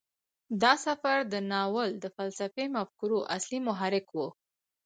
دا سفر د ناول د فلسفي مفکورو اصلي محرک و.